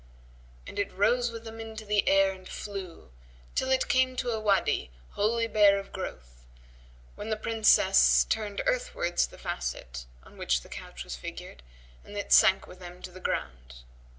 And it rose with them into the air and flew, till it came to a Wady wholly bare of growth, when the Princess turned earthwards the facet on which the couch was figured, and it sank with them to the ground.